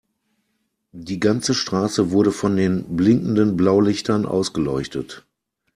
Die ganze Straße wurde von den blinkenden Blaulichtern ausgeleuchtet.